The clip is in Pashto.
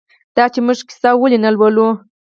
دا چې موږ کیسه ولې نه لولو؟